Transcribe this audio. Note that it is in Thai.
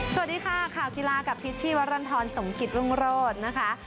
สวัสดีค่ะข่าวกีฬากับพิษชีวรรณฑรสมกิจรุ่งโรธนะคะ